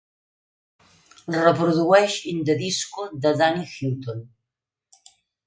reprodueix In The Disco de Danny Hutton